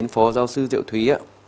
phó giáo sư diệu thúy